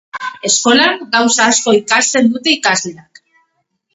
Eskolan gauza asko ikasten dute ikasleak.